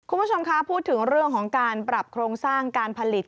คุณผู้ชมคะพูดถึงเรื่องของการปรับโครงสร้างการผลิต